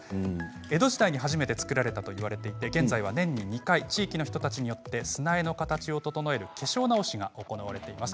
江戸時代に初めて作られたといわれていて現在では年に２回地域の人たちによって化粧直しが行われています。